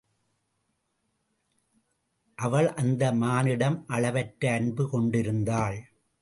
அவள் அந்த மானிடம் அளவற்ற அன்பு கொண்டிருந்தாள்.